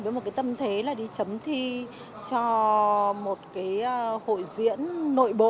với một tâm thế là đi chấm thi cho một hội diễn nội bộ